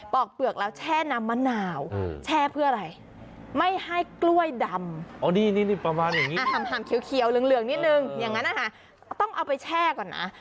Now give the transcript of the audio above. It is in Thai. อกเปลือกแล้วแช่น้ำมะนาวแช่เพื่ออะไรไม่ให้กล้วยดำประมาณอย่างนี้ห่ำเขียวเหลืองนิดนึงอย่างนั้นนะคะต้องเอาไปแช่ก่อนนะ